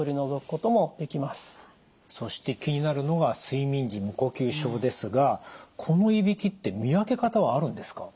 そして気になるのが睡眠時無呼吸症ですがこのいびきって見分け方はあるんですか？